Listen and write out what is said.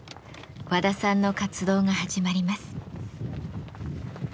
和田さんの活動が始まります。